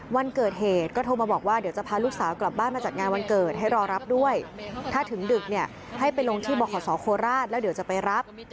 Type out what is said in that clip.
วันเกิดเหตุก็โทรมาบอกว่าเดี๋ยวจะพาลูกสาวกลับบ้านมาจัดงานวันเกิดให้รอรับด้วยถ้าถึงดึกเนี่ยให้ไปลงที่บขศโคราชแล้วเดี๋ยวจะไปรับ